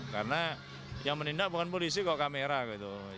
karena yang menindak bukan polisi kok kamera gitu